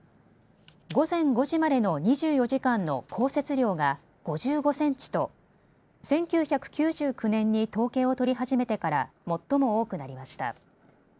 午前５時までの２４時間の降雪量が５５センチと１９９９年に統計を取り始めてから最も多くなりました。